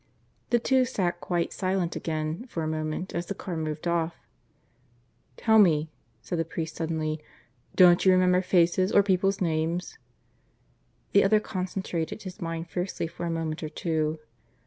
The two sat quite silent again for a moment, as the car moved off. "Tell me," said the priest suddenly, "don't you remember faces, or people's names?" The other concentrated his mind fiercely for a moment or two.